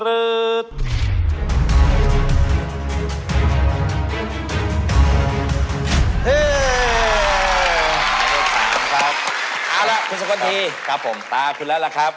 ให้สามครับเอาล่ะคุณสกวนทีตาคุณแล้วล่ะครับ